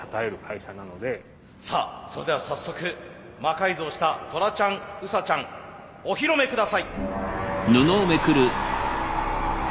さあそれでは早速魔改造したトラちゃんウサちゃんお披露目下さい。